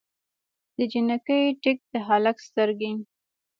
د نجلۍ ټیک، د هلک سترګې